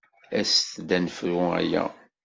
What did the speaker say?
Aset-d ad nefru aya!